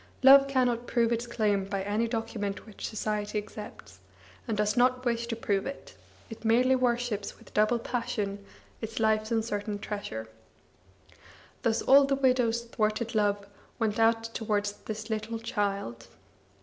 Love cannot prove its claim by any document which society accepts, and does not wish to prove it; it merely worships with double passion its life's uncertain treasure. Thus all the widow's thwarted love went out to wards this little child.